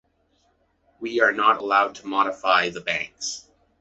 We are not allowed to modify the banks.